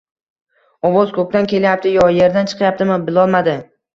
Ovoz ko‘kdan kelyapti yo yerdan chiqyaptimi, bilolmadi.